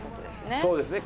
西村：そうですね。